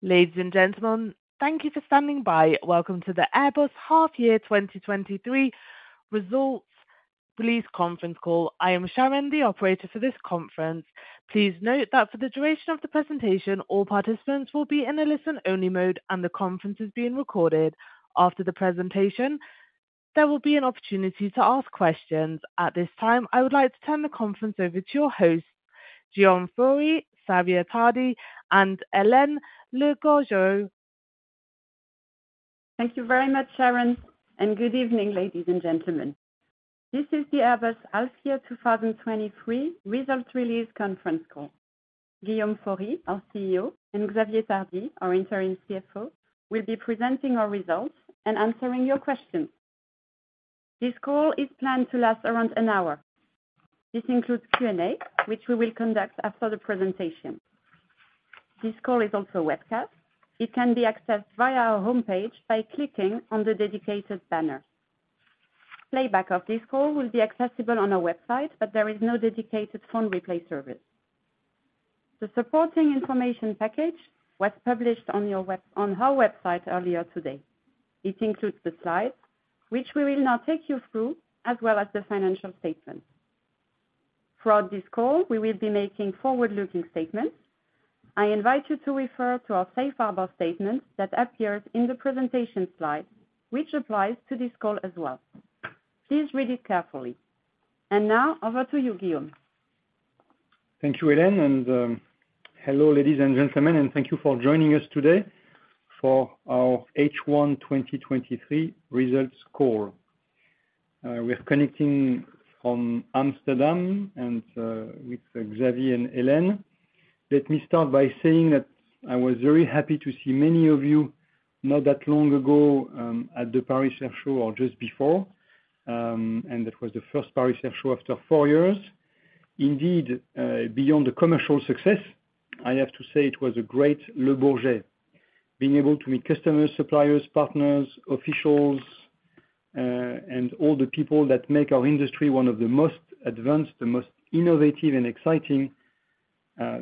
Ladies and gentlemen, thank you for standing by. Welcome to the Airbus Half Year 2023 Results Release conference call. I am Sharon, the operator for this conference. Please note that for the duration of the presentation, all participants will be in a listen-only mode, and the conference is being recorded. After the presentation, there will be an opportunity to ask questions. At this time, I would like to turn the conference over to your host, Guillaume Faury, Xavier Tardy, and Hélène Le Gorgeu. Thank you very much, Sharon. Good evening, ladies and gentlemen. This is the Airbus Half Year 2023 Results Release conference call. Guillaume Faury, our CEO, and Xavier Tardy, our interim CFO, will be presenting our results and answering your questions. This call is planned to last around an hour. This includes Q&A, which we will conduct after the presentation. This call is also a webcast. It can be accessed via our homepage by clicking on the dedicated banner. Playback of this call will be accessible on our website. There is no dedicated phone replay service. The supporting information package was published on our website earlier today. It includes the slides, which we will now take you through, as well as the financial statements. Throughout this call, we will be making forward-looking statements. I invite you to refer to our safe harbor statement that appears in the presentation slide, which applies to this call as well. Please read it carefully. Now, over to you, Guillaume. Thank you, Hélène. Hello, ladies and gentlemen, and thank you for joining us today for our H1 2023 results call. We are connecting from Amsterdam with Xavier and Hélène. Let me start by saying that I was very happy to see many of you not that long ago at the Paris Air Show or just before. That was the first Paris Air Show after four years. Indeed, beyond the commercial success, I have to say it was a great Le Bourget. Being able to meet customers, suppliers, partners, officials, and all the people that make our industry one of the most advanced, the most innovative and exciting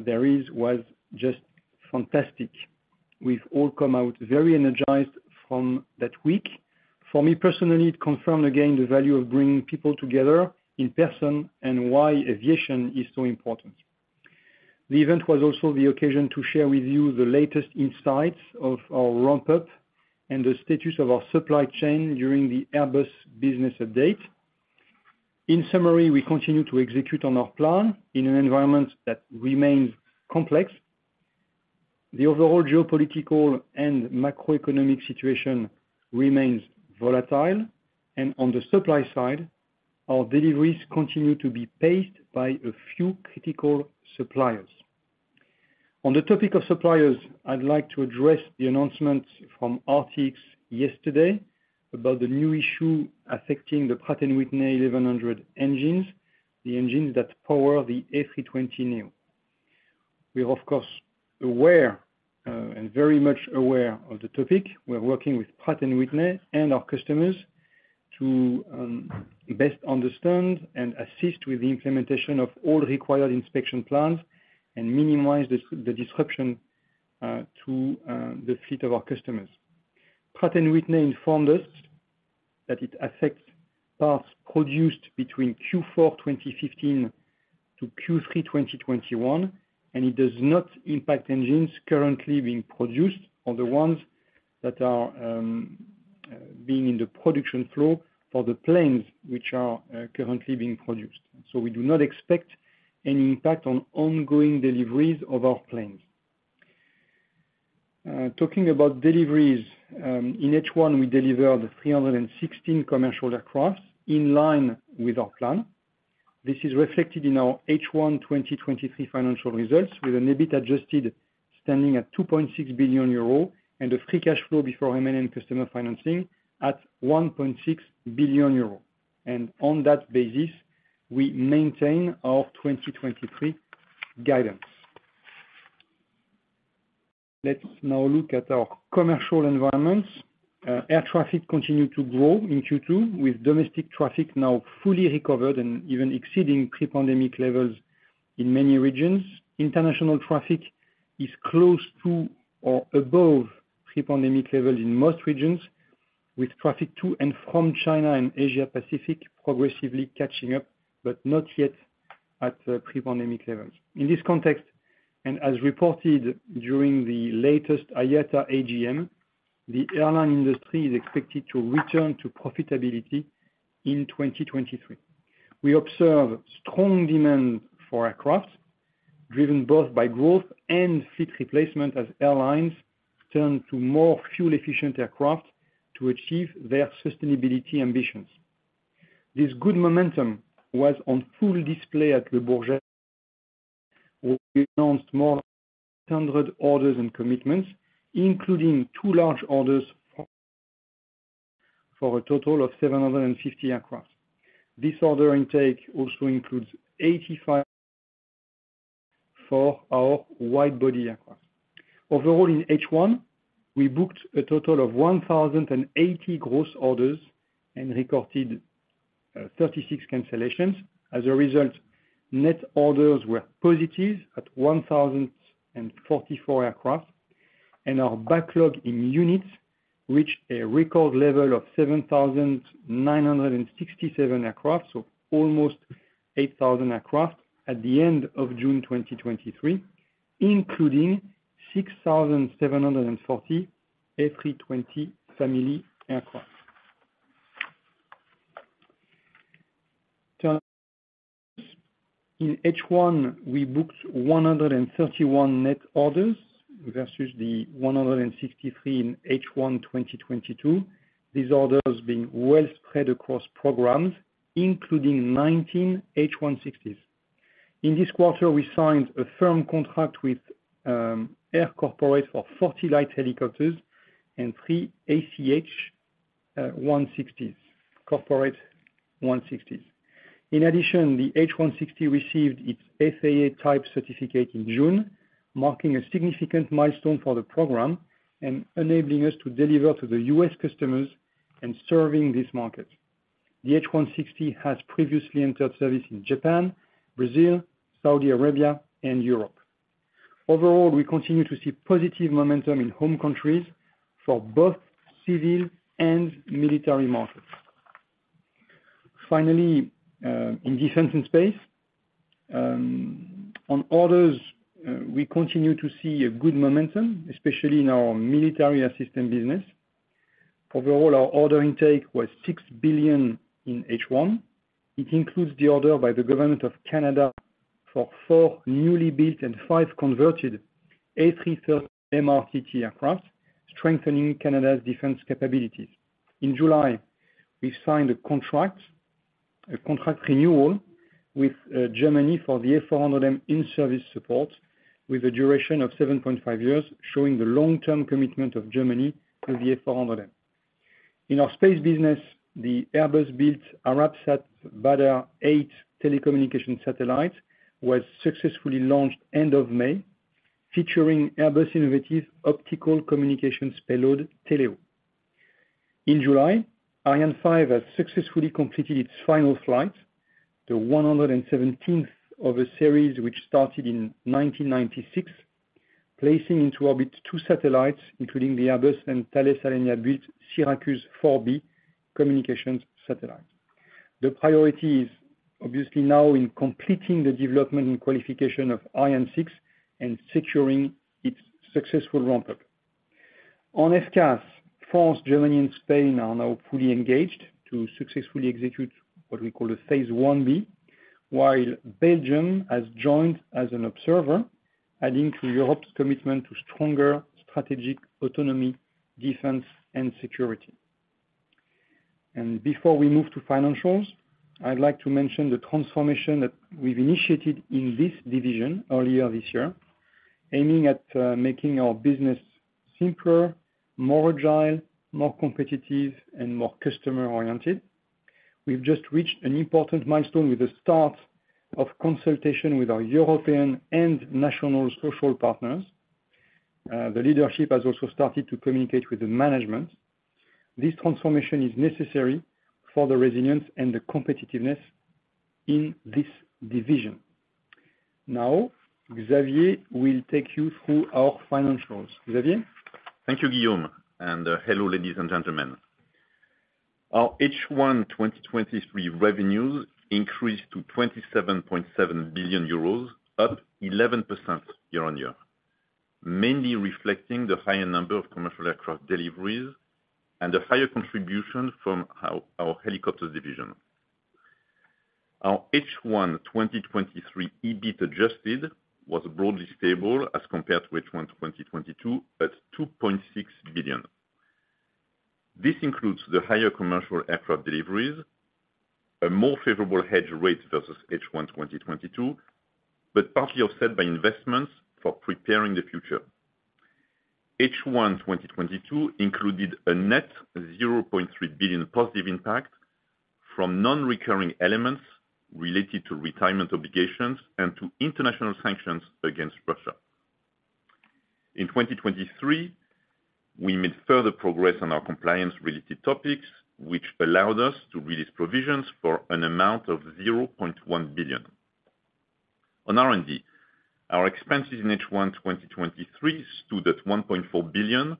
there is, was just fantastic. We've all come out very energized from that week. For me, personally, it confirmed again the value of bringing people together in person and why aviation is so important. The event was also the occasion to share with you the latest insights of our ramp up and the status of our supply chain during the Airbus business update. In summary, we continue to execute on our plan in an environment that remains complex. The overall geopolitical and macroeconomic situation remains volatile, and on the supply side, our deliveries continue to be paced by a few critical suppliers. On the topic of suppliers, I'd like to address the announcement from RTX yesterday about the new issue affecting the Pratt & Whitney 1100 engines, the engines that power the A320neo. We are, of course, aware and very much aware of the topic. We're working with Pratt & Whitney and our customers to best understand and assist with the implementation of all required inspection plans and minimize the disruption to the fleet of our customers. Pratt & Whitney informed us that it affects parts produced between Q4 2015 to Q3 2021, it does not impact engines currently being produced or the ones that are being in the production flow for the planes which are currently being produced. We do not expect any impact on ongoing deliveries of our planes. Talking about deliveries, in H1, we delivered 316 commercial aircraft in line with our plan. This is reflected in our H1 2023 financial results, with an EBIT Adjusted standing at 2.6 billion euro and a Free Cash Flow before M&A customer financing at 1.6 billion euro. On that basis, we maintain our 2023 guidance. Let's now look at our commercial environment. Air traffic continued to grow in Q2, with domestic traffic now fully recovered and even exceeding pre-pandemic levels in many regions. International traffic is close to or above pre-pandemic levels in most regions, with traffic to and from China and Asia Pacific progressively catching up, but not yet at pre-pandemic levels. In this context, as reported during the latest IATA AGM, the airline industry is expected to return to profitability in 2023. We observe strong demand for aircraft, driven both by growth and fleet replacement as airlines turn to more fuel-efficient aircraft to achieve their sustainability ambitions. This good momentum was on full display at Le Bourget, where we announced more than 100 orders and commitments, including two large orders for a total of 750 aircraft. This order intake also includes 85 for our wide-body aircraft. Overall, in H1, we booked a total of 1,080 gross orders and recorded 36 cancellations. As a result, net orders were positive at 1,044 aircraft, and our backlog in units reached a record level of 7,967 aircraft, so almost 8,000 aircraft at the end of June 2023, including 6,740 A320 Family aircraft. Turn, in H1, we booked 131 net orders versus the 163 in H1 2022. These orders being well spread across programs, including 19 H160s. In this quarter, we signed a firm contract with Air Corporate for 40 light helicopters and 3 ACH 160s, corporate 160s. In addition, the H160 received its FAA type certificate in June, marking a significant milestone for the program and enabling us to deliver to the US customers and serving this market. The H160 has previously entered service in Japan, Brazil, Saudi Arabia, and Europe. Overall, we continue to see positive momentum in home countries for both civil and military markets. Finally, in defense and space, on orders, we continue to see a good momentum, especially in our military assistant business. Overall, our order intake was 6 billion in H1. It includes the order by the government of Canada for 4 newly built and 5 converted A330 MRTT aircraft, strengthening Canada's defense capabilities. In July, we signed a contract, a contract renewal with Germany for the A400M in-service support, with a duration of 7.5 years, showing the long-term commitment of Germany to the A400M. In our space business, the Airbus-built Arabsat BADR-8 telecommunication satellite was successfully launched end of May, featuring Airbus innovative optical communications payload, TELEO. In July, Ariane 5 has successfully completed its final flight, the 117th of a series which started in 1996, placing into orbit 2 satellites, including the Airbus and Thales Alenia Space built SYRACUSE 4B communications satellite. The priority is obviously now in completing the development and qualification of Ariane 6 and securing its successful ramp-up. On SCAF, France, Germany, and Spain are now fully engaged to successfully execute what we call a Phase 1B, while Belgium has joined as an observer, adding to Europe's commitment to stronger strategic autonomy, defense, and security. Before we move to financials, I'd like to mention the transformation that we've initiated in this division earlier this year, aiming at making our business simpler, more agile, more competitive, and more customer-oriented. We've just reached an important milestone with the start of consultation with our European and national social partners. The leadership has also started to communicate with the management. This transformation is necessary for the resilience and the competitiveness in this division. Xavier will take you through our financials. Xavier? Thank you, Guillaume, and hello, ladies and gentlemen. Our H1 2023 revenues increased to 27.7 billion euros, up 11% year-on-year, mainly reflecting the higher number of commercial aircraft deliveries and a higher contribution from our helicopters division. Our H1 2023 EBIT Adjusted was broadly stable as compared to H1 2022, at 2.6 billion. This includes the higher commercial aircraft deliveries, a more favorable hedge rate versus H1 2022, but partly offset by investments for preparing the future. H1 2022 included a net 0.3 billion positive impact from non-recurring elements related to retirement obligations and to international sanctions against Russia. In 2023, we made further progress on our compliance-related topics, which allowed us to release provisions for an amount of 0.1 billion. On R&D, our expenses in H1 2023 stood at 1.4 billion,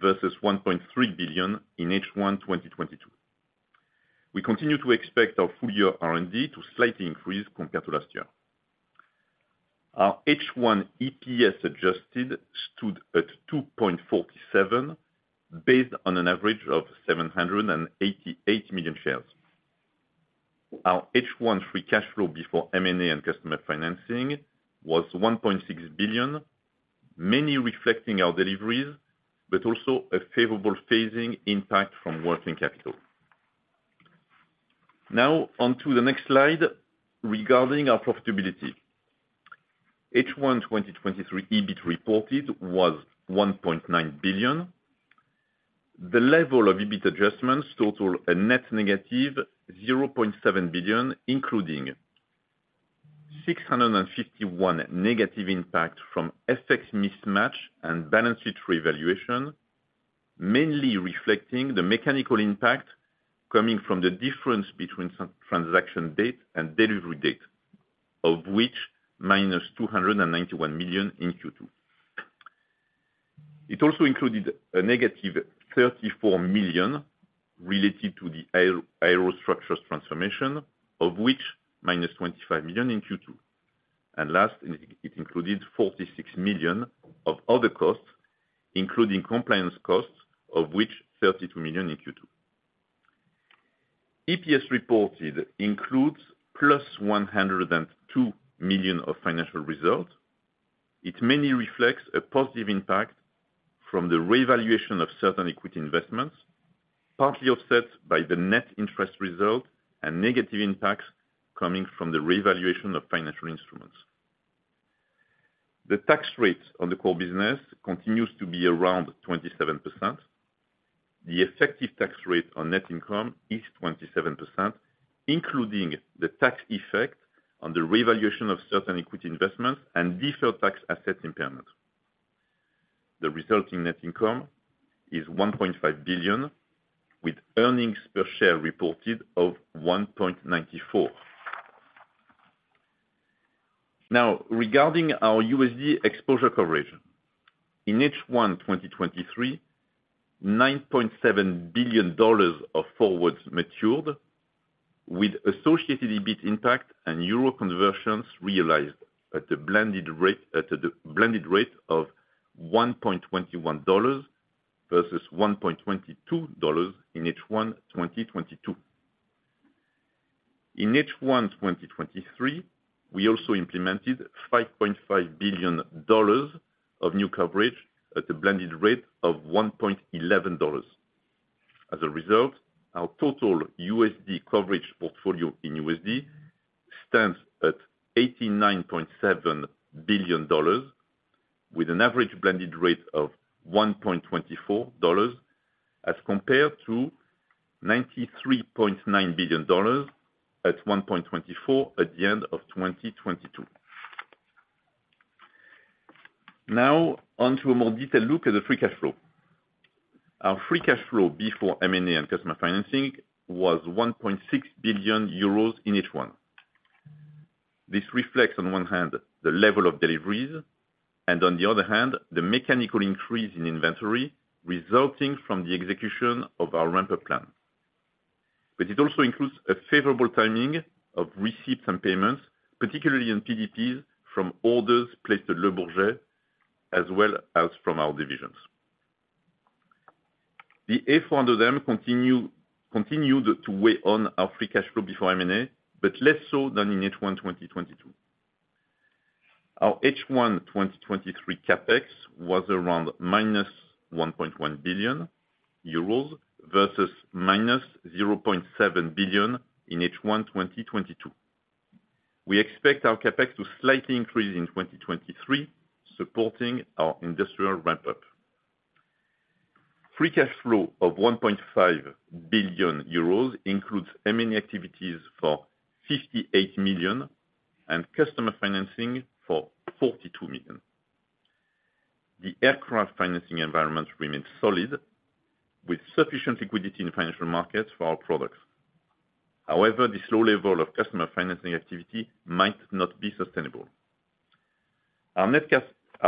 versus 1.3 billion in H1 2022. We continue to expect our full year R&D to slightly increase compared to last year. Our H1 EPS Adjusted stood at 2.47, based on an average of 788 million shares. Our H1 Free Cash Flow before M&A and Customer Financing was 1.6 billion, mainly reflecting our deliveries, but also a favorable phasing impact from working capital. On to the next slide regarding our profitability. H1 2023 EBIT reported was 1.9 billion. The level of EBIT adjustments totaled a net negative 0.7 billion, including. 651 million negative impact from FX mismatch and balance sheet revaluation, mainly reflecting the mechanical impact coming from the difference between some transaction date and delivery date, of which minus 291 million in Q2. It also included a negative 34 million related to the aerostructures transformation, of which minus 25 million in Q2. Last, it included 46 million of other costs, including compliance costs, of which 32 million in Q2. EPS reported includes plus 102 million of financial results. It mainly reflects a positive impact from the revaluation of certain equity investments, partly offset by the net interest result and negative impacts coming from the revaluation of financial instruments. The tax rates on the core business continues to be around 27%. The effective tax rate on net income is 27%, including the tax effect on the revaluation of certain equity investments and deferred tax asset impairment. The resulting net income is 1.5 billion, with earnings per share reported of 1.94. Regarding our USD exposure coverage, in H1 2023, $9.7 billion of forwards matured with associated EBIT impact and euro conversions realized at a blended rate of $1.21 versus $1.22 in H1 2022. In H1 2023, we also implemented $5.5 billion of new coverage at a blended rate of $1.11. Our total USD coverage portfolio in USD stands at $89.7 billion, with an average blended rate of $1.24, as compared to $93.9 billion at $1.24 at the end of 2022. Onto a more detailed look at the free cash flow. Our Free Cash Flow before M&A and Customer Financing was 1.6 billion euros in H1. This reflects, on one hand, the level of deliveries, and on the other hand, the mechanical increase in inventory resulting from the execution of our ramp-up plan. It also includes a favorable timing of receipts and payments, particularly in GTF, from orders placed at Le Bourget, as well as from our divisions. The A400M continued to weigh on our free cash flow before M&A, less so than in H1 2022. Our H1 2023 CapEx was around -1.1 billion euros, versus - 0.7 billion in H1 2022. We expect our CapEx to slightly increase in 2023, supporting our industrial ramp-up. Free cash flow of 1.5 billion euros includes M&A activities for 58 million and customer financing for 42 million. The aircraft financing environment remains solid, with sufficient liquidity in the financial markets for our products. However, this low level of customer financing activity might not be sustainable. Our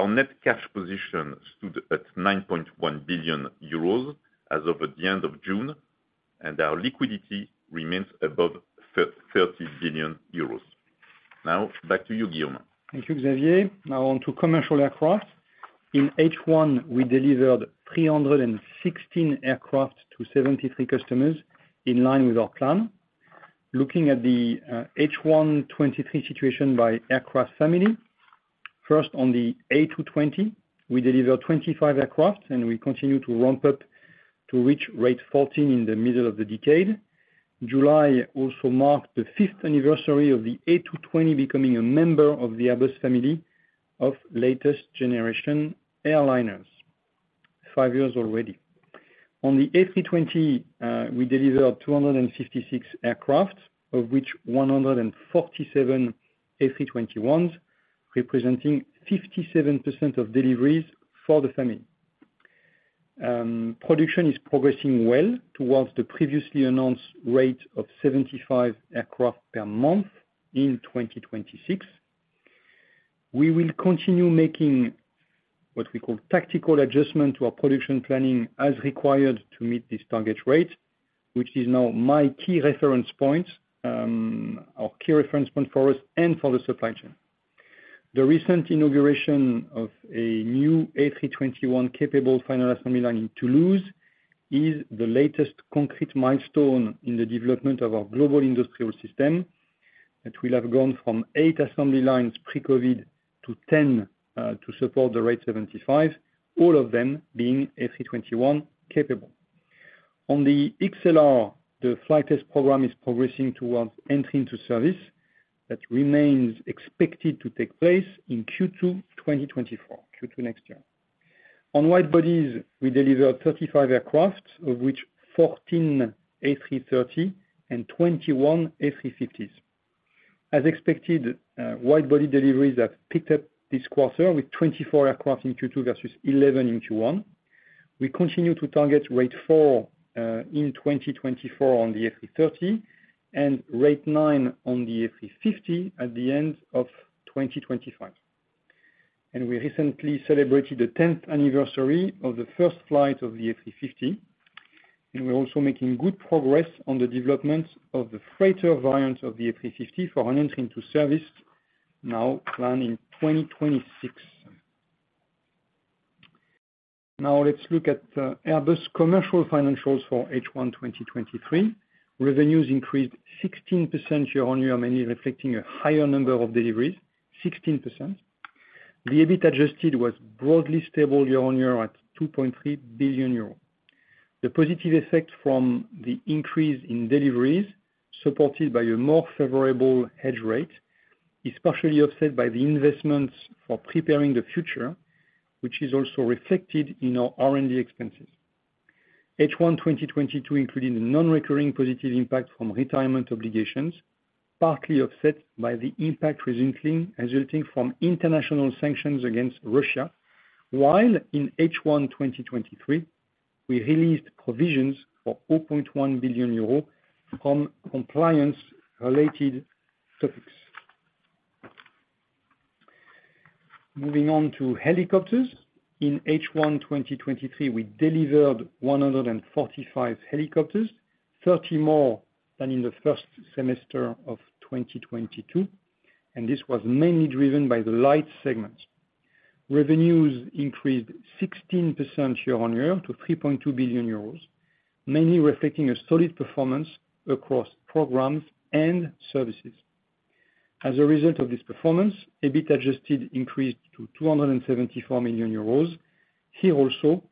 net cash position stood at 9.1 billion euros as of at the end of June, and our liquidity remains above 30 billion euros. Back to you, Guillaume. Thank you, Xavier. Now on to commercial aircraft. In H1, we delivered 316 aircraft to 73 customers, in line with our plan. Looking at the H1 2023 situation by aircraft family, first on the A220, we delivered 25 aircraft, and we continue to ramp up to reach rate 14 in the middle of the decade. July also marked the fifth anniversary of the A220 becoming a member of the Airbus family of latest generation airliners. Five years already. On the A320, we delivered 256 aircraft, of which 147 A321s, representing 57% of deliveries for the family. Production is progressing well towards the previously announced rate of 75 aircraft per month in 2026. We will continue making, what we call, tactical adjustment to our production planning as required to meet this target rate, which is now my key reference point, or key reference point for us and for the supply chain. The recent inauguration of a new A321 capable Final Assembly Line in Toulouse, is the latest concrete milestone in the development of our global industrial system, that we have gone from 8 assembly lines pre-COVID to 10 to support the rate 75, all of them being A321 capable. On the XLR, the flight test program is progressing towards entry into service. That remains expected to take place in Q2 2024, Q2 next year. On wide bodies, we delivered 35 aircraft, of which 14 A330 and 21 A350s. As expected, wide-body deliveries have picked up this quarter, with 24 aircraft in Q2 versus 11 in Q1. We continue to target rate 4 in 2024 on the A330 and rate 9 on the A350 at the end of 2025. We recently celebrated the 10th anniversary of the first flight of the A350, and we're also making good progress on the development of the freighter variant of the A350 for entrance into service, now planning 2026. Now let's look at Airbus commercial financials for H1 2023. Revenues increased 16% year-on-year, mainly reflecting a higher number of deliveries, 16%. The EBIT Adjusted was broadly stable year-on-year, at 2.3 billion euros. The positive effect from the increase in deliveries, supported by a more favorable hedge rate, is partially offset by the investments for preparing the future, which is also reflected in our R&D expenses. H1 2022, including the non-recurring positive impact from retirement obligations, partly offset by the impact resulting from international sanctions against Russia, while in H1 2023, we released provisions for 4.1 billion euro from compliance-related topics. Moving on to helicopters. In H1 2023, we delivered 145 helicopters, 30 more than in the first semester of 2022. This was mainly driven by the light segments. Revenues increased 16% year-on-year to 3.2 billion euros, mainly reflecting a solid performance across programs and services. As a result of this performance, EBIT Adjusted increased to 274 million euros. Here also,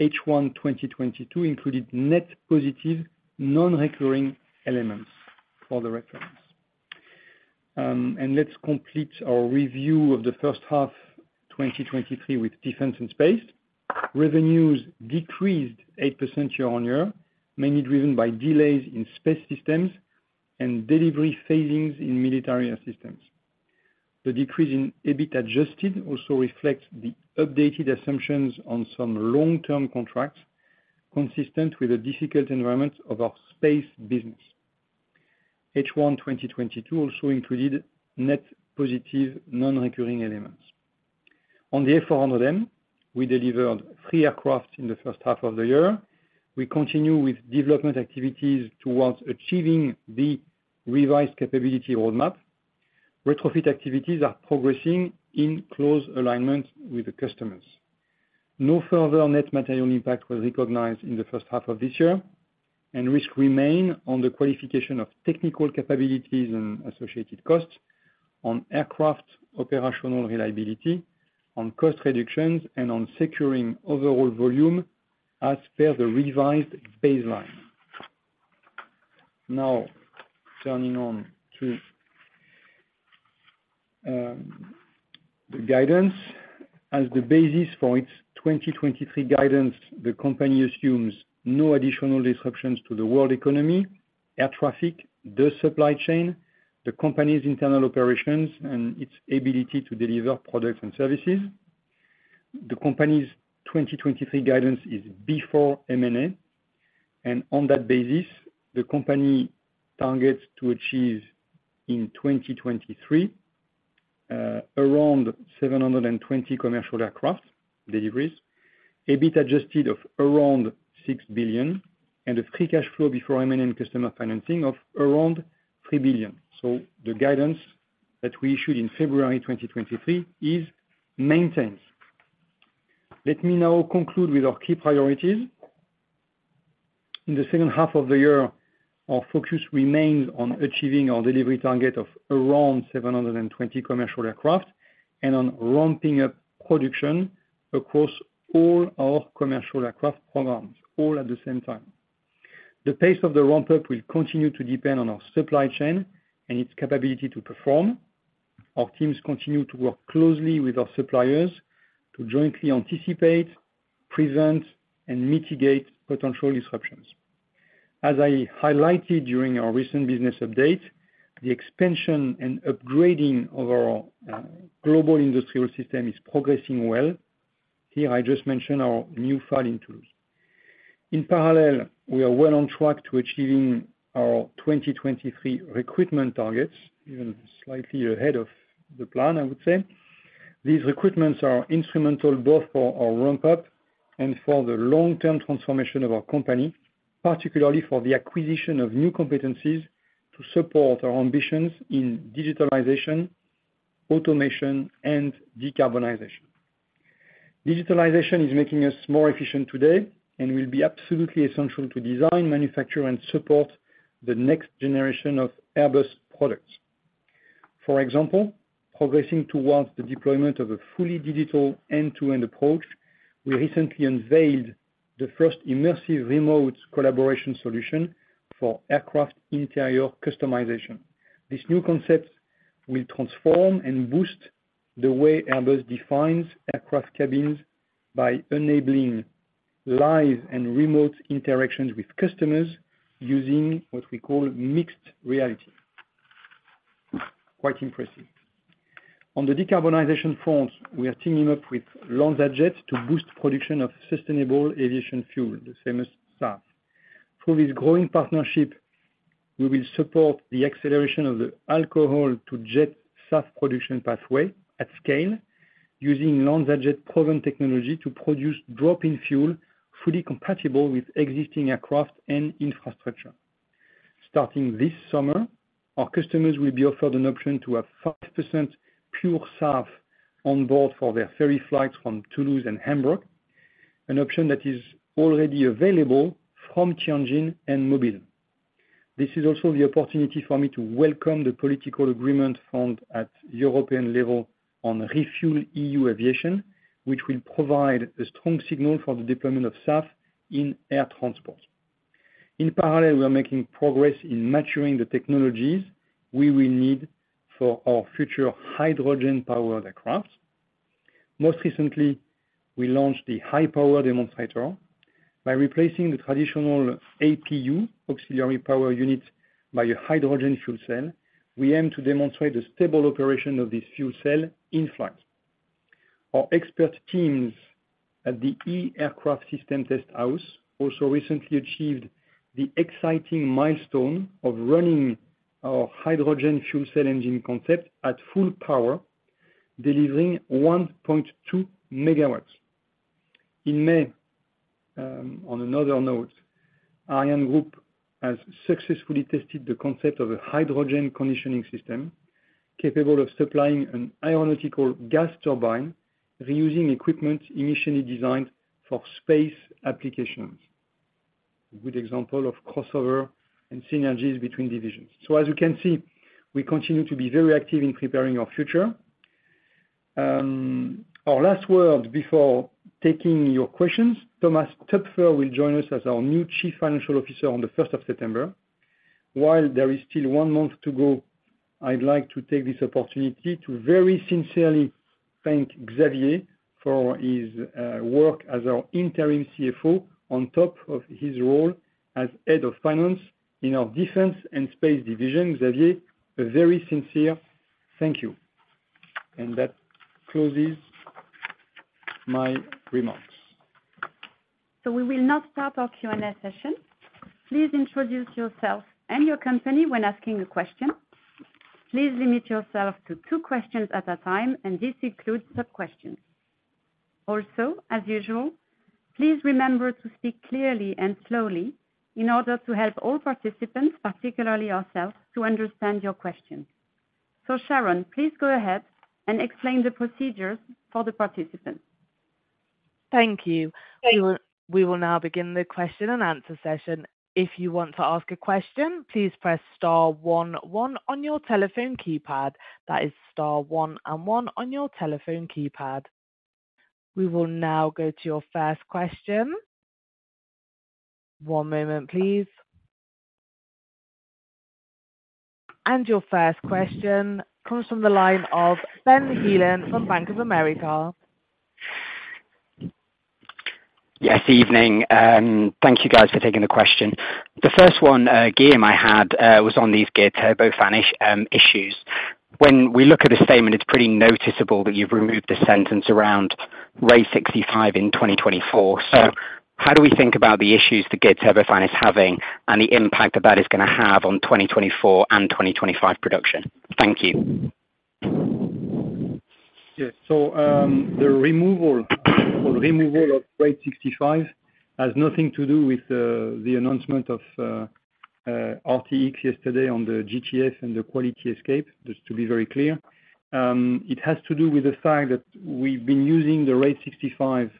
H1 2022 included net positive non-recurring elements for the reference. Let's complete our review of the first half 2023 with Defense and Space. Revenues decreased 8% year-on-year, mainly driven by delays in space systems and delivery phasings in military assistance. The decrease in EBIT Adjusted also reflects the updated assumptions on some long-term contracts, consistent with the difficult environment of our space business. H1, 2022 also included net positive non-recurring elements. On the A400M, we delivered three aircraft in the first half of the year. We continue with development activities towards achieving the revised capability roadmap. Retrofit activities are progressing in close alignment with the customers. Risk remain on the qualification of technical capabilities and associated costs on aircraft operational reliability, on cost reductions, and on securing overall volume as per the revised baseline. Turning on to the guidance. As the basis for its 2023 guidance, the company assumes no additional disruptions to the world economy, air traffic, the supply chain, the company's internal operations, and its ability to deliver products and services. The company's 2023 guidance is before M&A. On that basis, the company targets to achieve in 2023 around 720 commercial aircraft deliveries, EBIT Adjusted of around 6 billion, and a Free Cash Flow before M&A and Customer Financing of around 3 billion. The guidance that we issued in February 2023 is maintained. Let me now conclude with our key priorities. In the second half of the year, our focus remains on achieving our delivery target of around 720 commercial aircraft and on ramping up production across all our commercial aircraft programs, all at the same time. The pace of the ramp-up will continue to depend on our supply chain and its capability to perform. Our teams continue to work closely with our suppliers to jointly anticipate, present, and mitigate potential disruptions. As I highlighted during our recent business update, the expansion and upgrading of our global industrial system is progressing well. Here, I just mentioned our new filing tools. In parallel, we are well on track to achieving our 2023 recruitment targets, even slightly ahead of the plan, I would say. These recruitments are instrumental both for our ramp-up and for the long-term transformation of our company, particularly for the acquisition of new competencies to support our ambitions in digitalization, automation, and decarbonization. Digitalization is making us more efficient today and will be absolutely essential to design, manufacture, and support the next generation of Airbus products. For example, progressing towards the deployment of a fully digital end-to-end approach, we recently unveiled the first immersive remote collaboration solution for aircraft interior customization. This new concept will transform and boost the way Airbus defines aircraft cabins by enabling live and remote interactions with customers using what we call mixed reality. Quite impressive. On the decarbonization front, we are teaming up with LanzaJet to boost production of sustainable aviation fuel, the same as SAF. Through this growing partnership, we will support the acceleration of the Alcohol-to-Jet SAF production pathway at scale, using LanzaJet proven technology to produce drop-in fuel fully compatible with existing aircraft and infrastructure. Starting this summer, our customers will be offered an option to have 5% pure SAF on board for their ferry flights from Toulouse and Hamburg, an option that is already available from Tianjin and Mobile. This is also the opportunity for me to welcome the political agreement formed at European level on ReFuelEU Aviation, which will provide a strong signal for the deployment of SAF in air transport. We are making progress in maturing the technologies we will need for our future hydrogen-powered aircraft. Most recently, we launched the high-power demonstrator. By replacing the traditional APU, auxiliary power unit, by a hydrogen fuel cell, we aim to demonstrate the stable operation of this fuel cell in flight. Our expert teams at the E-Aircraft Systems House also recently achieved the exciting milestone of running our hydrogen fuel cell engine concept at full power, delivering 1.2 megawatts. In May, on another note, ArianeGroup has successfully tested the concept of a hydrogen conditioning system, capable of supplying an aeronautical gas turbine, reusing equipment initially designed for space applications. A good example of crossover and synergies between divisions. As you can see, we continue to be very active in preparing our future. Our last word before taking your questions, Thomas Toepfer will join us as our new Chief Financial Officer on the first of September. While there is still 1 month to go, I'd like to take this opportunity to very sincerely thank Xavier for his work as our interim CFO, on top of his role as head of finance in our Defense and Space division. Xavier, a very sincere thank you. That closes my remarks. We will now start our Q&A session. Please introduce yourself and your company when asking a question. Please limit yourself to 2 questions at a time, and this includes sub-questions. As usual, please remember to speak clearly and slowly in order to help all participants, particularly ourselves, to understand your question. Sharon, please go ahead and explain the procedures for the participants. Thank you. We will now begin the question and answer session. If you want to ask a question, please press star one one on your telephone keypad. That is star one and one on your telephone keypad. We will now go to your first question. One moment, please. Your first question comes from the line of Benjamin Heelan from Bank of America. Yes, evening, thank you guys for taking the question. The first one, Guillaume, I had was on these Geared Turbofan issues. When we look at the statement, it's pretty noticeable that you've removed the sentence around Rate 65 in 2024. How do we think about the issues the Geared Turbofan is having and the impact that that is gonna have on 2024 and 2025 production? Thank you. Yes. The removal of Rate 65 has nothing to do with the announcement of RTX yesterday on the GTF and the quality escape, just to be very clear. It has to do with the fact that we've been using the Rate 65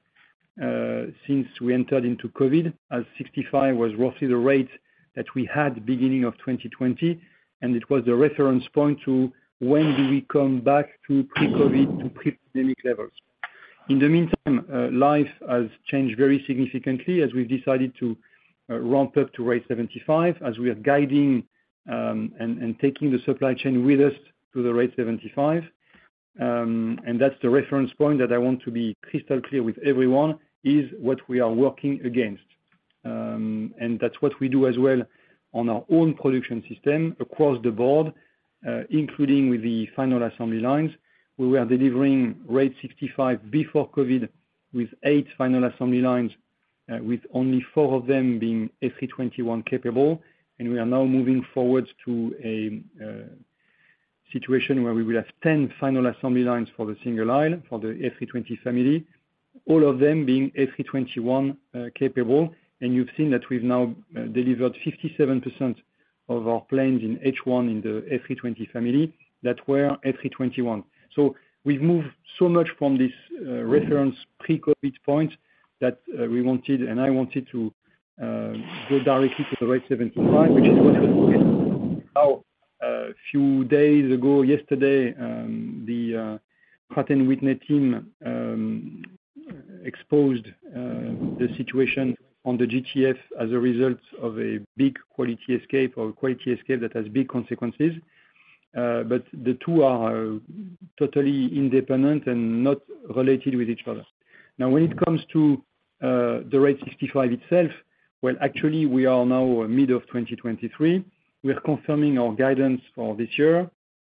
since we entered into Covid, as 65 was roughly the rate that we had beginning of 2020, and it was the reference point to when do we come back to pre-Covid, to pre-pandemic levels. In the meantime, life has changed very significantly as we've decided to ramp up to Rate 75, as we are guiding, and taking the supply chain with us to the Rate 75. That's the reference point that I want to be crystal clear with everyone, is what we are working against. That's what we do as well on our own production system across the board, including with the Final Assembly Lines. We were delivering Rate 65 before Covid with 8 Final Assembly Lines, with only 4 of them being A321 capable. We are now moving forwards to a situation where we will have 10 Final Assembly Lines for the single aisle, for the A320 Family, all of them being A321 capable. You've seen that we've now delivered 57% of our planes in H1 in the A320 Family that were A321. We've moved so much from this reference pre-Covid point that we wanted, and I wanted to, go directly to the Rate 75, which is what how, a few days ago, yesterday, the Pratt & Whitney team... exposed, the situation on the GTF as a result of a big quality escape or quality escape that has big consequences. The two are totally independent and not related with each other. When it comes to the rate 65 itself, well, actually, we are now mid of 2023. We are confirming our guidance for this year.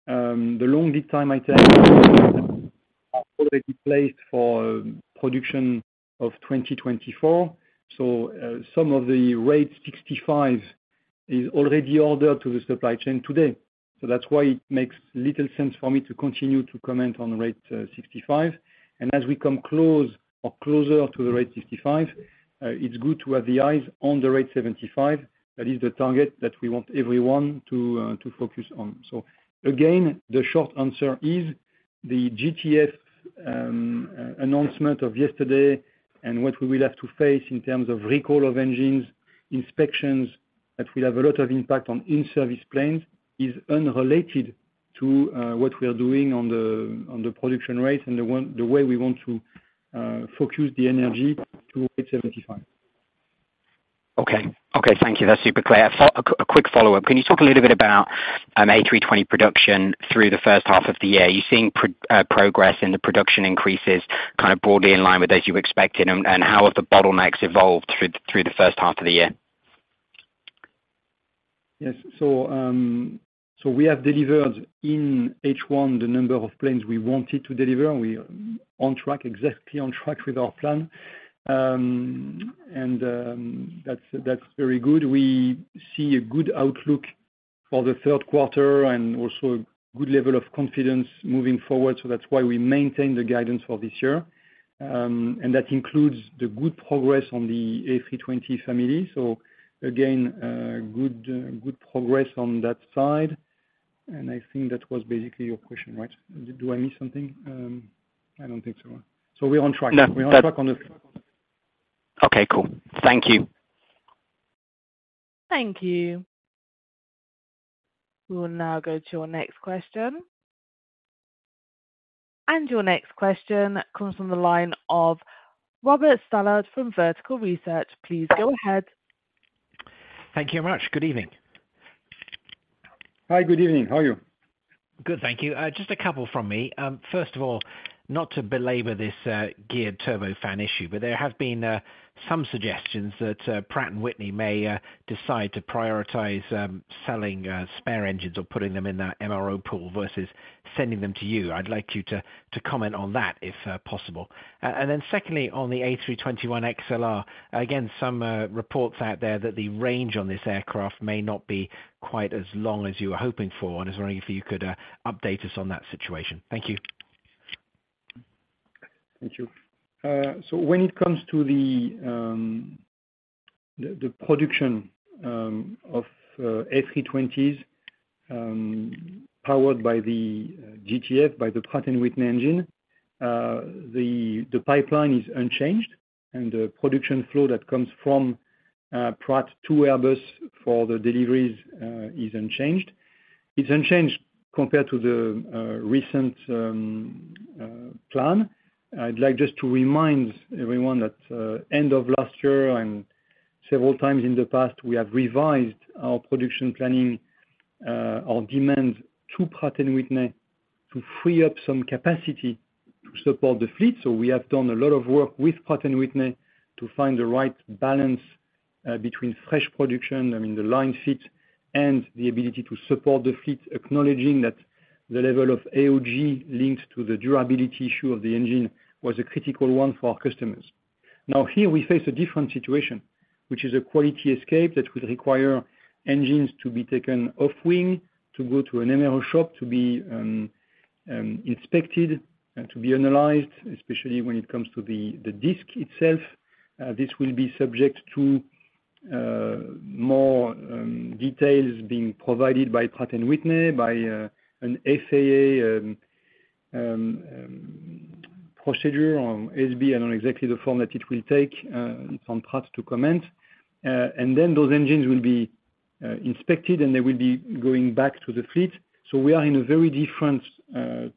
The long lead time items are already placed for production of 2024. Some of the rate 65 is already ordered to the supply chain today. That's why it makes little sense for me to continue to comment on rate 65. As we come close or closer to the rate 65, it's good to have the eyes on the rate 75. That is the target that we want everyone to focus on. Again, the short answer is the GTF announcement of yesterday and what we will have to face in terms of recall of engines, inspections, that will have a lot of impact on in-service planes, is unrelated to what we are doing on the production rate and the way we want to focus the energy to rate 75. Okay. Okay, thank you. That's super clear. A quick follow-up, can you talk a little bit about A320 production through the first half of the year? Are you seeing progress in the production increases, kind of broadly in line with as you expected, and how have the bottlenecks evolved through the first half of the year? Yes. We have delivered in H1, the number of planes we wanted to deliver, and we are on track, exactly on track with our plan. That's very good. We see a good outlook for the third quarter and also good level of confidence moving forward, so that's why we maintain the guidance for this year. That includes the good progress on the A320 Family. Again, good progress on that side. I think that was basically your question, right? Do I miss something? I don't think so. We're on track. No. We're on track on the-. Okay, cool. Thank you. Thank you. We will now go to your next question. Your next question comes from the line of Robert Stallard from Vertical Research. Please go ahead. Thank you very much. Good evening. Hi, good evening. How are you? Good, thank you. Just a couple from me. First of all, not to belabor this Geared Turbofan issue, but there have been some suggestions that Pratt & Whitney may decide to prioritize selling spare engines or putting them in that MRO pool versus sending them to you. I'd like you to comment on that, if possible. Secondly, on the A321XLR, again, some reports out there that the range on this aircraft may not be quite as long as you were hoping for, and I was wondering if you could update us on that situation. Thank you. Thank you. When it comes to the production of A320s powered by the GTF, by the Pratt & Whitney engine, the pipeline is unchanged, and the production flow that comes from Pratt to Airbus for the deliveries is unchanged. It's unchanged compared to the recent plan. I'd like just to remind everyone that end of last year and several times in the past, we have revised our production planning, our demand to Pratt & Whitney to free up some capacity to support the fleet. We have done a lot of work with Pratt & Whitney to find the right balance, between fresh production, I mean, the line fleet, and the ability to support the fleet, acknowledging that the level of AOG linked to the durability issue of the engine was a critical one for our customers. Here we face a different situation, which is a quality escape that will require engines to be taken off wing, to go to an MRO shop, to be inspected and to be analyzed, especially when it comes to the disk itself. This will be subject to more details being provided by Pratt & Whitney, by an FAA procedure or SB. I don't know exactly the form that it will take, on Pratt to comment. Those engines will be inspected, and they will be going back to the fleet. We are in a very different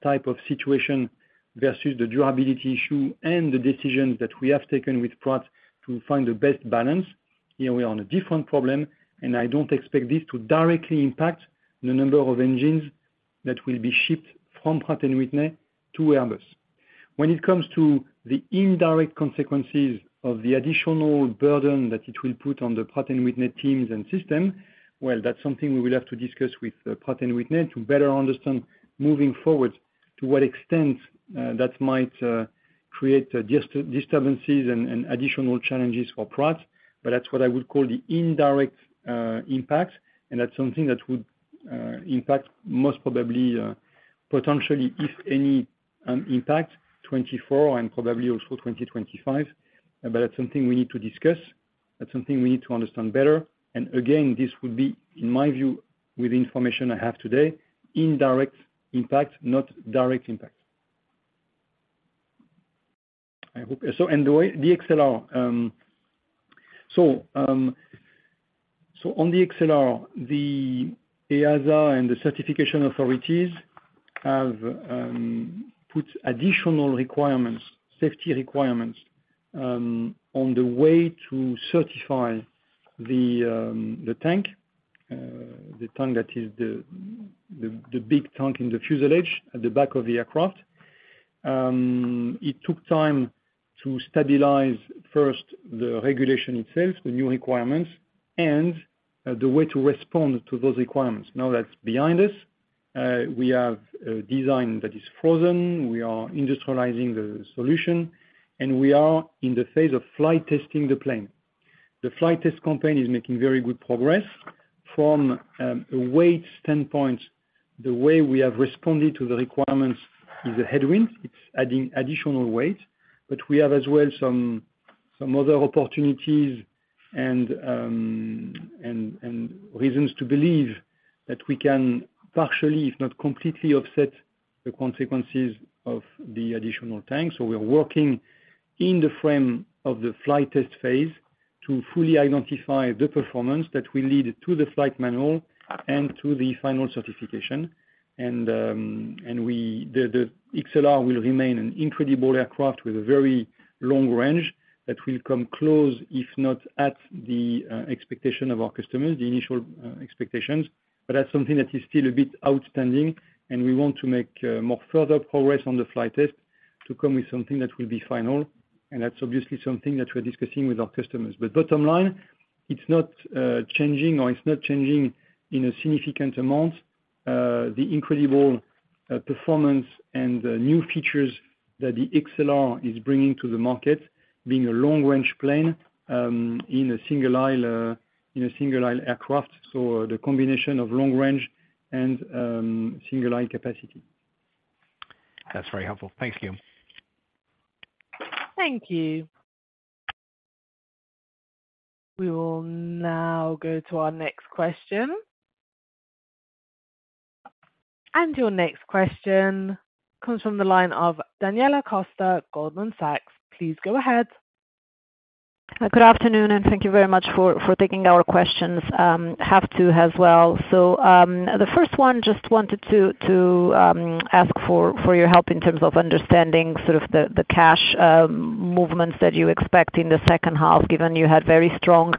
type of situation versus the durability issue and the decisions that we have taken with Pratt to find the best balance. Here we are on a different problem, and I don't expect this to directly impact the number of engines that will be shipped from Pratt & Whitney to Airbus. When it comes to the indirect consequences of the additional burden that it will put on the Pratt & Whitney teams and system, well, that's something we will have to discuss with Pratt & Whitney to better understand, moving forward, to what extent that might create disturbances and additional challenges for Pratt. That's what I would call the indirect impact, and that's something that would impact most probably, potentially, if any, impact, 2024 and probably also 2025. That's something we need to discuss. That's something we need to understand better. Again, this would be, in my view, with the information I have today, indirect impact, not direct impact. I hope. On the XLR, the EASA and the certification authorities have put additional requirements, safety requirements, on the way to certify the tank. The tank that is the big tank in the fuselage at the back of the aircraft. It took time to stabilize first, the regulation itself, the new requirements, and the way to respond to those requirements. That's behind us. We have a design that is frozen. We are industrializing the solution. We are in the phase of flight testing the plane. The flight test campaign is making very good progress. From a weight standpoint, the way we have responded to the requirements is a headwind. It's adding additional weight. We have as well, some other opportunities and reasons to believe that we can partially, if not completely, offset the consequences of the additional tank. We are working in the frame of the flight test phase to fully identify the performance that will lead to the flight manual and to the final certification. The XLR will remain an incredible aircraft with a very long range that will come close, if not at the expectation of our customers, the initial expectations. That's something that is still a bit outstanding, and we want to make more further progress on the flight test to come with something that will be final. That's obviously something that we're discussing with our customers. Bottom line, it's not changing, or it's not changing in a significant amount, the incredible performance and the new features that the XLR is bringing to the market, being a long range plane in a single aisle, in a single aisle aircraft. The combination of long range and single aisle capacity. That's very helpful. Thank you. Thank you. We will now go to our next question. Your next question comes from the line of Daniela Costa, Goldman Sachs. Please go ahead. Good afternoon, thank you very much for taking our questions, have to as well. The first one, just wanted to ask for your help in terms of understanding sort of the cash movements that you expect in the second half, given you had very strong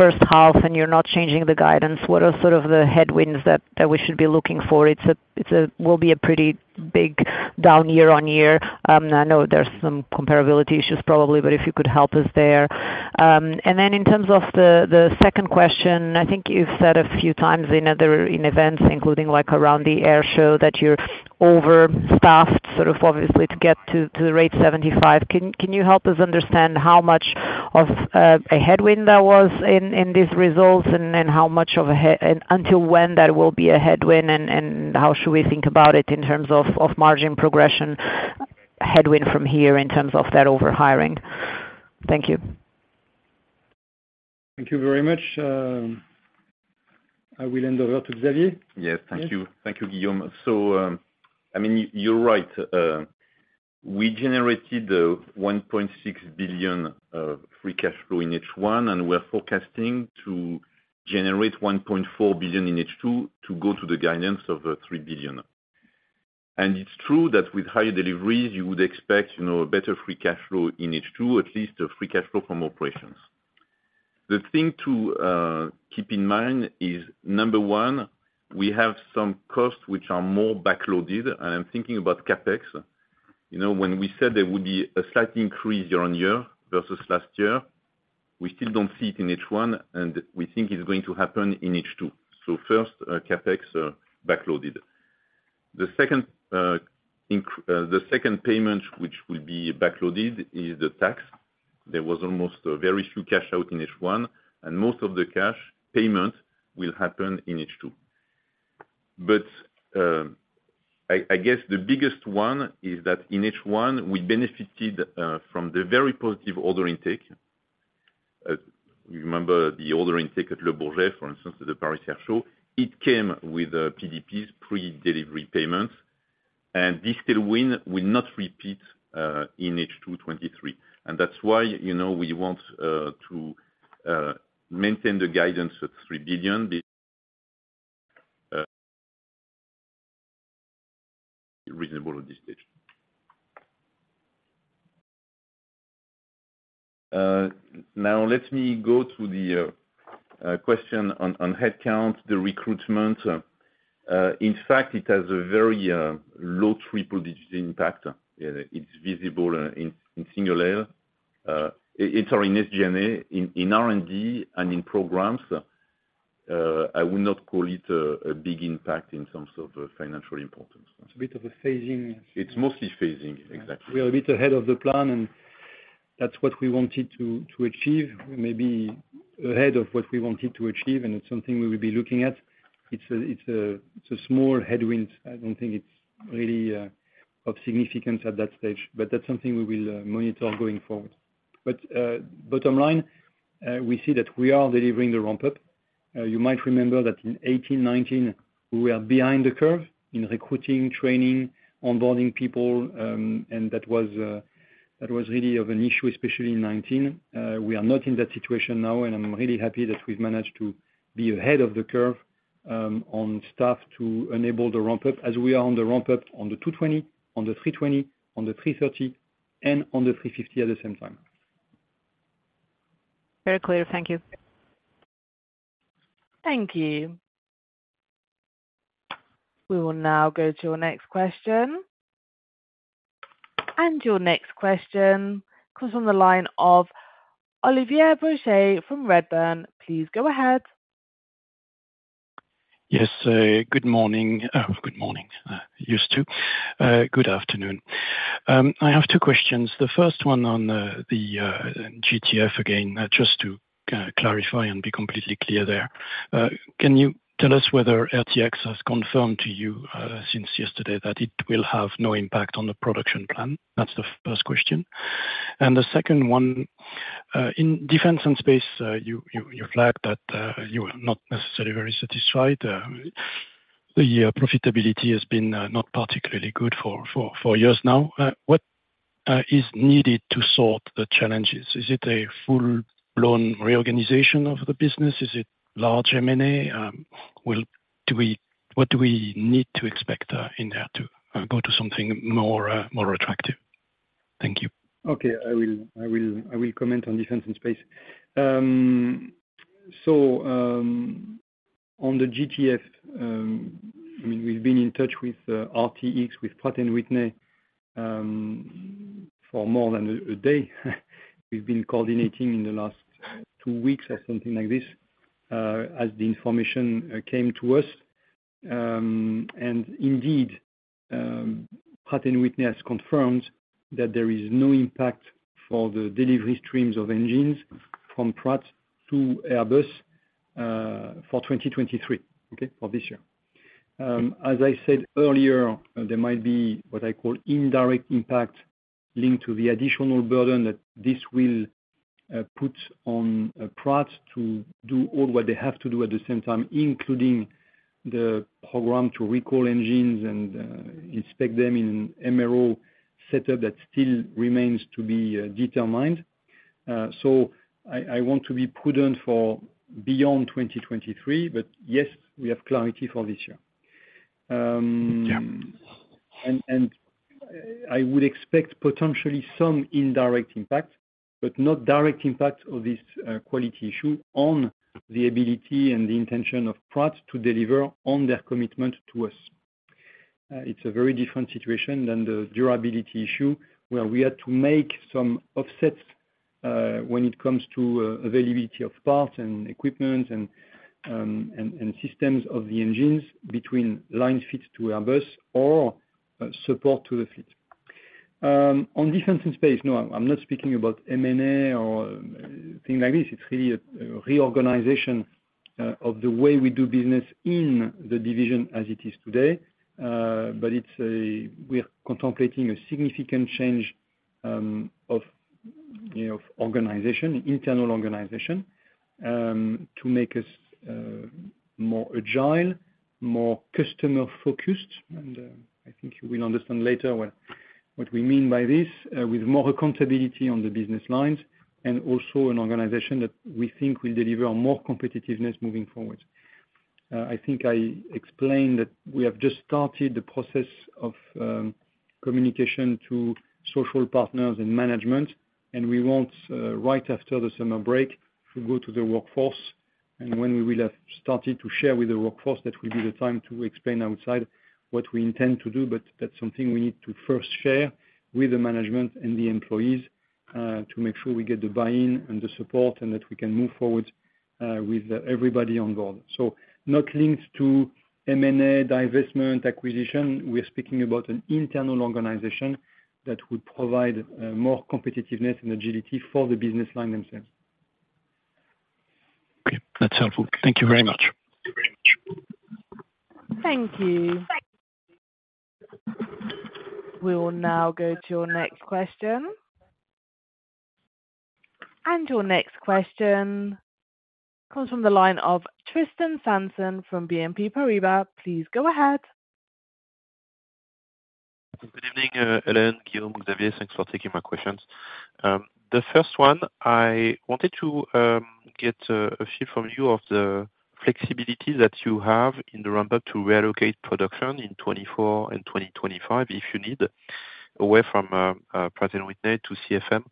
first half and you're not changing the guidance. What are sort of the headwinds that we should be looking for? It will be a pretty big down year-on-year. I know there's some comparability issues probably, if you could help us there. In terms of the second question, I think you've said a few times in events including like around the air show, that you're overstaffed, sort of obviously to get to the rate 75. Can you help us understand how much of a headwind that was in these results? How much of a head- and until when that will be a headwind, how should we think about it in terms of margin progression headwind from here in terms of that over-hiring? Thank you. Thank you very much. I will hand over to Xavier. Yes, thank you. Yes. Thank you, Guillaume. I mean, you're right. We generated 1.6 billion of free cash flow in H1, we're forecasting to generate 1.4 billion in H2 to go to the guidance of 3 billion. It's true that with high deliveries, you would expect, you know, a better free cash flow in H2, at least a free cash flow from operations. The thing to keep in mind is, number one, we have some costs which are more backloaded, I'm thinking about CapEx. You know, when we said there would be a slight increase year-on-year, versus last year, we still don't see it in H1, we think it's going to happen in H2. First, CapEx are backloaded. The second payment, which will be backloaded, is the tax. There was almost very few cash out in H1, and most of the cash payment will happen in H2. I guess the biggest one is that in H1, we benefited from the very positive order intake. You remember the order intake at Le Bourget, for instance, at the Paris Air Show, it came with PDPs, pre-delivery payments, and this tailwind will not repeat in H2 2023. That's why, you know, we want to maintain the guidance at EUR 3 billion, this reasonable at this stage. Now let me go to the question on headcount, the recruitment. In fact, it has a very low triple-digit impact. It's visible in single aisle. It's our in SG&A, in R&D, and in programs. I would not call it a big impact in terms of financial importance. It's a bit of a phasing. It's mostly phasing, exactly. We are a bit ahead of the plan, and that's what we wanted to achieve, maybe ahead of what we wanted to achieve, and it's something we will be looking at. It's a small headwind. I don't think it's really of significance at that stage, but that's something we will monitor going forward. Bottom line, we see that we are delivering the ramp up. You might remember that in 2018, 2019, we are behind the curve in recruiting, training, onboarding people, and that was really of an issue, especially in 2019. We are not in that situation now. I'm really happy that we've managed to be ahead of the curve, on staff to enable the ramp up as we are on the ramp up on the A220, on the A320, on the A330, and on the A350 at the same time. Very clear. Thank you. Thank you. We will now go to your next question. Your next question comes from the line of Olivier Brochet from Redburn. Please go ahead. Yes, good morning. Good morning, used to. Good afternoon. I have 2 questions. The first one on the GTF again, just to clarify and be completely clear there. Can you tell us whether RTX has confirmed to you since yesterday that it will have no impact on the production plan? That's the first question. The second one in defense and space, you flagged that you are not necessarily very satisfied. The profitability has been not particularly good for years now. What is needed to sort the challenges? Is it a full-blown reorganization of the business? Is it large M&A? What do we need to expect in there to go to something more attractive? Thank you. I will comment on defense and space. On the GTF, I mean, we've been in touch with RTX, with Pratt & Whitney, for more than a day. We've been coordinating in the last 2 weeks, or something like this, as the information came to us. Indeed, Pratt & Whitney has confirmed that there is no impact for the delivery streams of engines from Pratt to Airbus for 2023, okay? For this year. As I said earlier, there might be what I call indirect impact linked to the additional burden that this will put on Pratt to do all what they have to do at the same time, including the program to recall engines and inspect them in MRO setup that still remains to be determined. I want to be prudent for beyond 2023, but yes, we have clarity for this year. Yeah. I would expect potentially some indirect impact, but not direct impact of this quality issue on the ability and the intention of Pratt to deliver on their commitment to us. It's a very different situation than the durability issue, where we had to make some offsets when it comes to availability of parts and equipment and systems of the engines between line fits to Airbus or support to the fleet. On defense and space, no, I'm not speaking about M&A or anything like this. It's really a reorganization of the way we do business in the division as it is today. We are contemplating a significant change of, you know, organization, internal organization, to make us more agile, more customer-focused. I think you will understand later what we mean by this, with more accountability on the business lines, and also an organization that we think will deliver on more competitiveness moving forward. I think I explained that we have just started the process of communication to social partners and management, and we want right after the summer break, to go to the workforce. When we will have started to share with the workforce, that will be the time to explain outside what we intend to do, but that's something we need to first share with the management and the employees, to make sure we get the buy-in and the support, and that we can move forward with everybody on board. Not linked to M&A, divestment, acquisition. We're speaking about an internal organization that would provide more competitiveness and agility for the business line themselves. Okay, that's helpful. Thank you very much. Thank you. We will now go to your next question. Your next question comes from the line of Tristan Sanson from BNP Paribas. Please go ahead. Good evening, Helene, Guillaume, Xavier, thanks for taking my questions. The first one, I wanted to get a feel from you of the flexibility that you have in the ramp up to reallocate production in 2024 and 2025, if you need, away from Pratt & Whitney to CFM.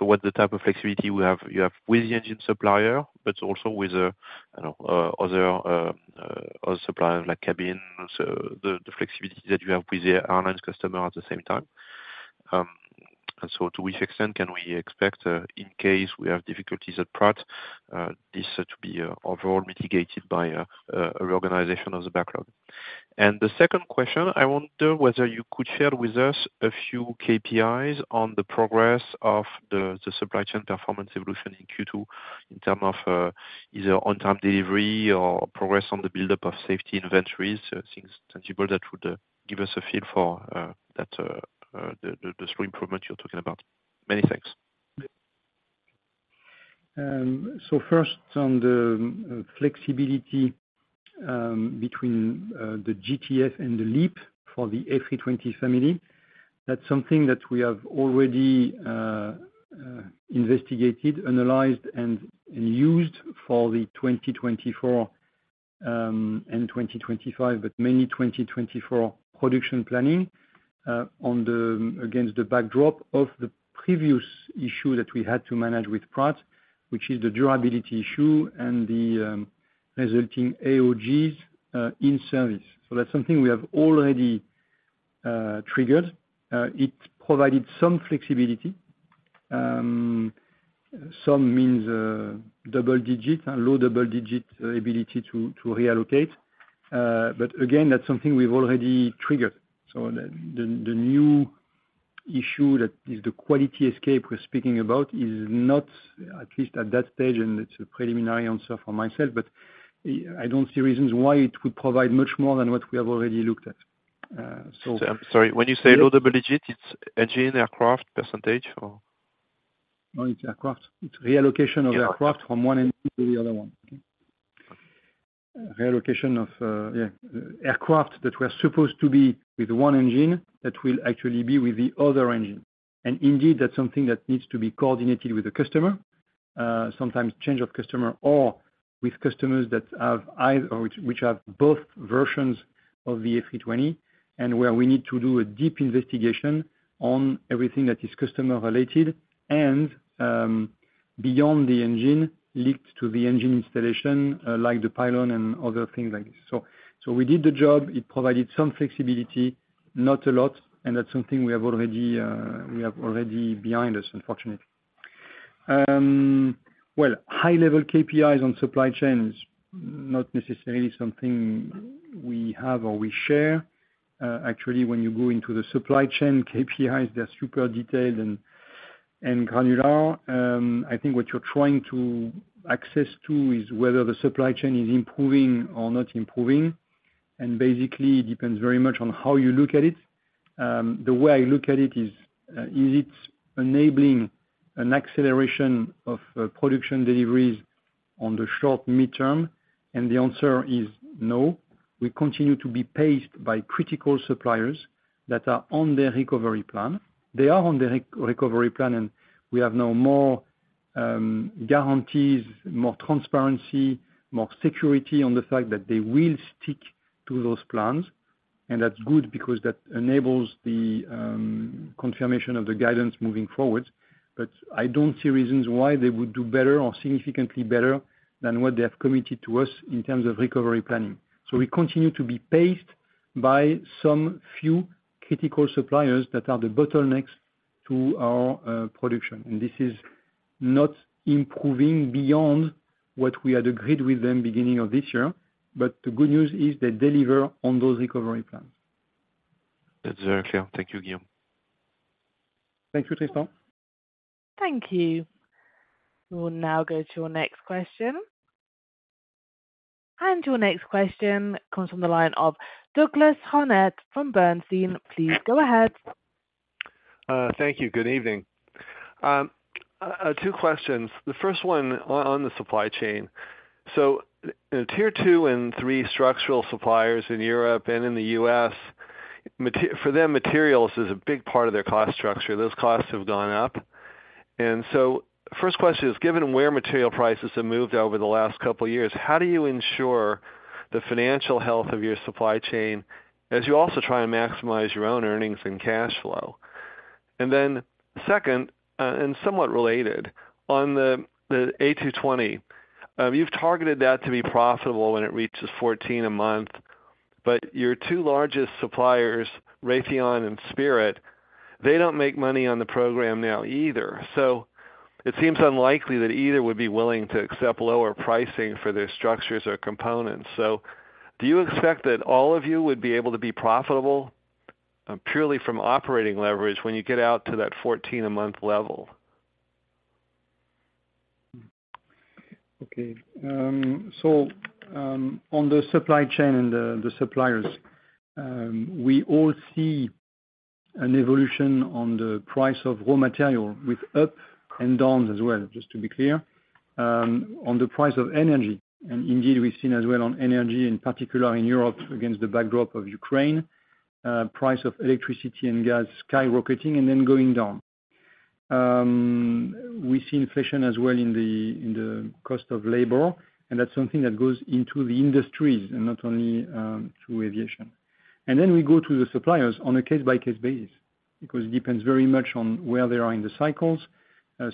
What's the type of flexibility you have with the engine supplier, but also with the, you know, other suppliers, like cabin? The flexibility that you have with the airlines customer at the same time. To which extent can we expect, in case we have difficulties at Pratt, this to be overall mitigated by a reorganization of the backlog? The second question, I wonder whether you could share with us a few KPIs on the progress of the supply chain performance evolution in Q2, in term of either on-time delivery or progress on the buildup of safety inventories, things tangible that would give us a feel for that the slow improvement you're talking about. Many thanks. First on the flexibility between the GTF and the LEAP for the A320 Family, that's something that we have already investigated, analyzed, and used for the 2024 and 2025, but mainly 2024 production planning against the backdrop of the previous issue that we had to manage with Pratt, which is the durability issue and the resulting AOGs in service. That's something we have already triggered. It provided some flexibility. Some means, double digit, a low double digit ability to reallocate. Again, that's something we've already triggered. The new issue that is the quality escape we're speaking about, is not at least at that stage, and it's a preliminary answer from myself, but I don't see reasons why it would provide much more than what we have already looked at. I'm sorry, when you say low double digit, it's engine, aircraft, percentage, or? No, it's aircraft. It's reallocation of aircraft- Yeah. from one engine to the other one. Reallocation of aircraft that were supposed to be with one engine, that will actually be with the other engine. Indeed, that's something that needs to be coordinated with the customer. Sometimes change of customer or with customers that have or which have both versions of the A320, and where we need to do a deep investigation on everything that is customer related, and beyond the engine, linked to the engine installation, like the pylon and other things like this. We did the job, it provided some flexibility, not a lot, and that's something we have already behind us, unfortunately. Well, high level KPIs on supply chain is not necessarily something we have or we share. Actually, when you go into the supply chain, KPIs, they're super detailed and granular. I think what you're trying to access to is whether the supply chain is improving or not improving, and basically depends very much on how you look at it. The way I look at it is it enabling an acceleration of production deliveries on the short midterm? The answer is no. We continue to be paced by critical suppliers that are on their recovery plan. They are on their recovery plan, and we have now more guarantees, more transparency, more security on the fact that they will stick to those plans. That's good, because that enables the confirmation of the guidance moving forward. I don't see reasons why they would do better or significantly better than what they have committed to us in terms of recovery planning. We continue to be paced by some few critical suppliers that are the bottlenecks to our production. This is not improving beyond what we had agreed with them beginning of this year. The good news is they deliver on those recovery plans. That's very clear. Thank you, Guillaume. Thank you, Tristan. Thank you. We will now go to your next question. Your next question comes from the line of Douglas Harned from Bernstein. Please, go ahead. Thank you. Good evening. 2 questions. The first one on the supply chain. tier 2 and 3 structural suppliers in Europe and in the US, materials is a big part of their cost structure, those costs have gone up. First question is, given where material prices have moved over the last couple years, how do you ensure the financial health of your supply chain, as you also try to maximize your own earnings and cash flow? Second, and somewhat related, on the A220, you've targeted that to be profitable when it reaches 14 a month, but your 2 largest suppliers, Raytheon and Spirit, they don't make money on the program now either. It seems unlikely that either would be willing to accept lower pricing for their structures or components. Do you expect that all of you would be able to be profitable, purely from operating leverage when you get out to that 14 a month level? Okay. On the supply chain and the suppliers, we all see an evolution on the price of raw material, with up and downs as well, just to be clear. On the price of energy, indeed, we've seen as well on energy, in particular in Europe, against the backdrop of Ukraine, price of electricity and gas skyrocketing and then going down. We see inflation as well in the cost of labor, and that's something that goes into the industries and not only through aviation. We go to the suppliers on a case-by-case basis, because it depends very much on where they are in the cycles.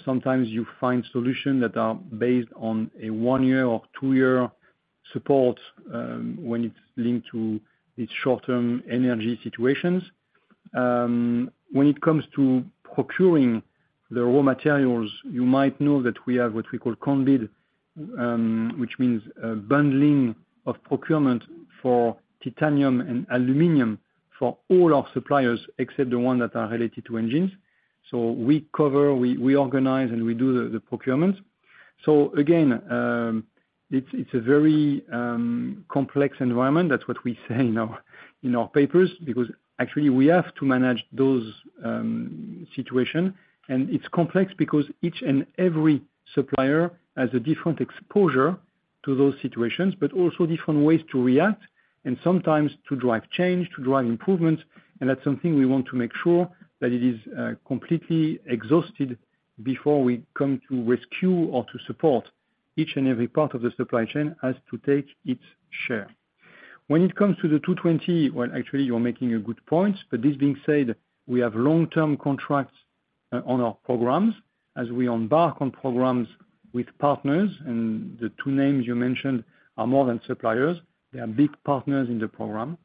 Sometimes you find solution that are based on a one-year or two-year support, when it's linked to its short-term energy situations. When it comes to procuring the raw materials, you might know that we have what we call co-bid, which means bundling of procurement for titanium and aluminum for all our suppliers, except the one that are related to engines. We cover, we organize and we do the procurement. It's a very complex environment. That's what we say in our, in our papers, because actually we have to manage those situation. It's complex because each and every supplier has a different exposure to those situations, but also different ways to react and sometimes to drive change, to drive improvements. That's something we want to make sure that it is completely exhausted before we come to rescue or to support each and every part of the supply chain has to take its share. When it comes to the A220, well, actually, you're making a good point. This being said, we have long-term contracts on our programs as we embark on programs with partners, and the 2 names you mentioned are more than suppliers, they are big partners in the program.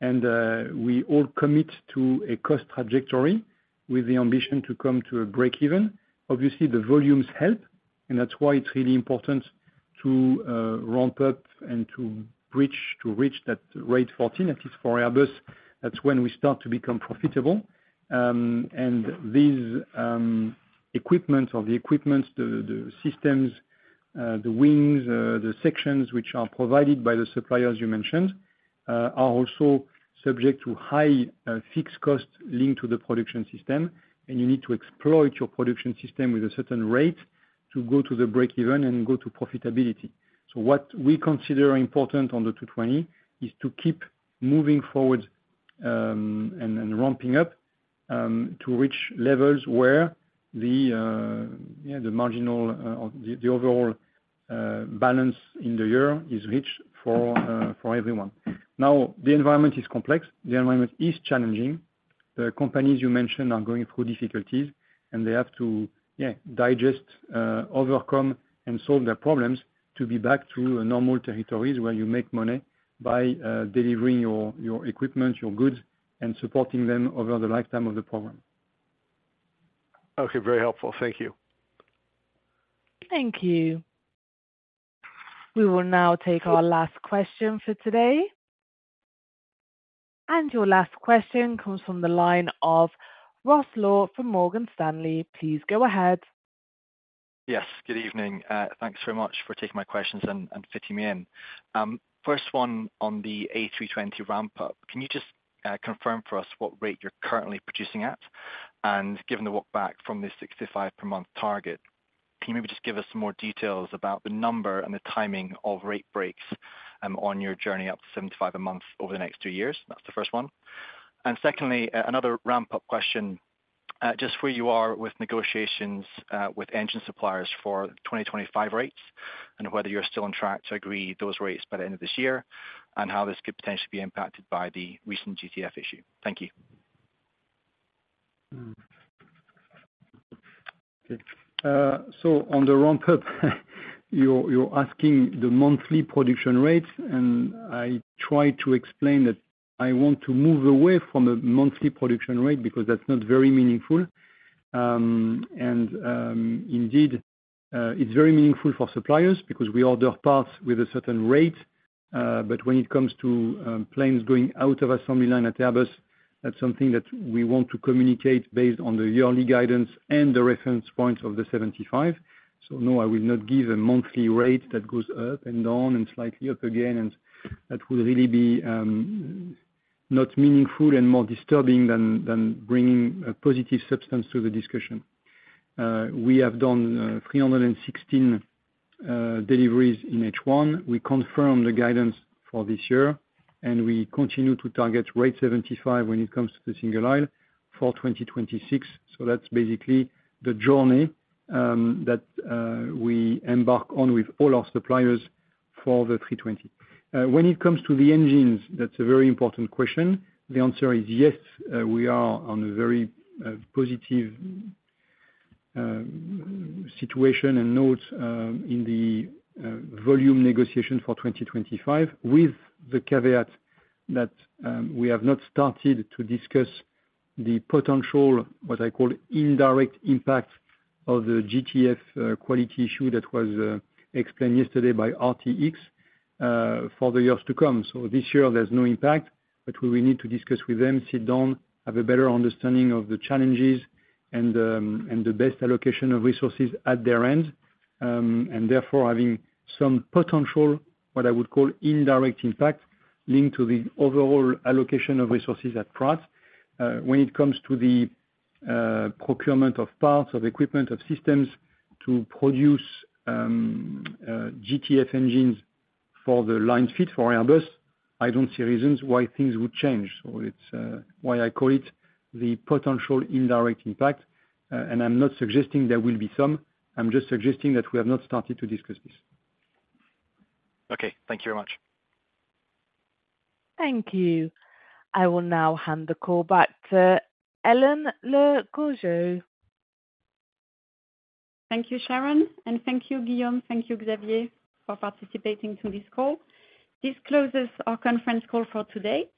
We all commit to a cost trajectory with the ambition to come to a break-even. Obviously, the volumes help, and that's why it's really important to ramp up and to reach that rate 14, at least for Airbus. That's when we start to become profitable. And these equipment or the equipments, the systems, the wings, the sections which are provided by the suppliers you mentioned, are also subject to high fixed costs linked to the production system. You need to exploit your production system with a certain rate to go to the break-even and go to profitability. What we consider important on the A220, is to keep moving forward, and ramping up, to reach levels where the marginal, or the overall, balance in the year is reached for everyone. The environment is complex. The environment is challenging. The companies you mentioned are going through difficulties, and they have to digest, overcome and solve their problems to be back to a normal territories where you make money by delivering your equipment, your goods, and supporting them over the lifetime of the program. Okay. Very helpful. Thank you. Thank you. We will now take our last question for today. Your last question comes from the line of Ross Law from Morgan Stanley. Please go ahead. Yes. Good evening, thanks very much for taking my questions and fitting me in. First one on the A320 ramp-up, can you just confirm for us what rate you're currently producing at? Given the walk back from the 65 per month target, can you maybe just give us some more details about the number and the timing of rate breaks on your journey up to 75 a month over the next 2 years? That's the first one. Secondly, another ramp-up question just where you are with negotiations with engine suppliers for 2025 rates, and whether you're still on track to agree those rates by the end of this year, and how this could potentially be impacted by the recent GTF issue? Thank you. Okay. So on the ramp-up, you're asking the monthly production rate, and I try to explain that I want to move away from a monthly production rate because that's not very meaningful. Indeed, it's very meaningful for suppliers because we order parts with a certain rate, but when it comes to planes going out of assembly line at Airbus, that's something that we want to communicate based on the yearly guidance and the reference point of the 75. No, I will not give a monthly rate that goes up and down and slightly up again, and that will really be not meaningful and more disturbing than bringing a positive substance to the discussion. We have done 316 deliveries in H1. We confirm the guidance for this year, and we continue to target rate 75 when it comes to the single aisle for 2026. That's basically the journey that we embark on with all our suppliers for the A320. When it comes to the engines, that's a very important question. The answer is yes, we are on a very positive situation and notes in the volume negotiation for 2025, with the caveat that we have not started to discuss the potential, what I call indirect impact of the GTF quality issue that was explained yesterday by RTX for the years to come. This year there's no impact, but we will need to discuss with them, sit down, have a better understanding of the challenges and the best allocation of resources at their end. Therefore, having some potential, what I would call indirect impact, linked to the overall allocation of resources at Pratt. When it comes to the procurement of parts, of equipment, of systems to produce GTF engines for the line fit for Airbus, I don't see reasons why things would change. It's why I call it the potential indirect impact. I'm not suggesting there will be some, I'm just suggesting that we have not started to discuss this. Okay. Thank you very much. Thank you. I will now hand the call back to Hélène Le Gorgeu. Thank you, Sharon, and thank you, Guillaume, thank you, Xavier, for participating to this call. This closes our conference call for today.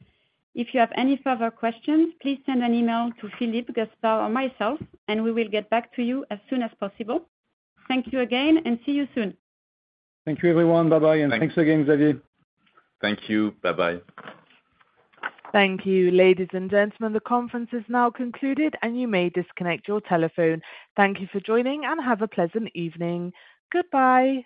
If you have any further questions, please send an email to Philippe, Gaspard or myself, and we will get back to you as soon as possible. Thank you again, and see you soon. Thank you, everyone. Bye-bye, and thanks again, Xavier. Thank you. Bye-bye. Thank you. Ladies and gentlemen, the conference is now concluded, and you may disconnect your telephone. Thank you for joining, and have a pleasant evening. Goodbye.